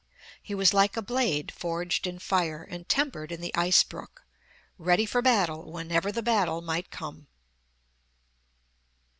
He was like a blade forged in fire and tempered in the ice brook, ready for battle whenever the battle might come.